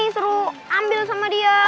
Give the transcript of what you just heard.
suruh ambil sama dia